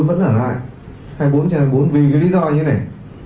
tôi vẫn ở lại hai mươi bốn trên hai mươi bốn vì cái lý do như thế này